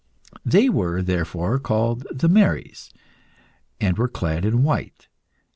They were, therefore, called the Marys, and were clad in white.